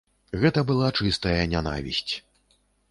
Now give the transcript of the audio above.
Гэта была чыстая нянавісць.